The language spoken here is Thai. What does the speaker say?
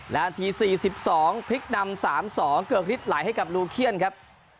นาที๔๒พลิกนำ๓๒เกือกฤทธิไหลให้กับลูเคียนครับ